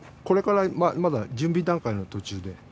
これからまだ準備段階の途中で。